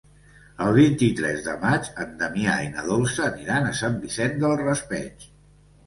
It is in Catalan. El vint-i-tres de maig na Damià i na Dolça aniran a Sant Vicent del Raspeig.